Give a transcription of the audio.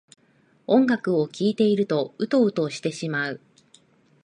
音楽を聴いているとウトウトしてしまう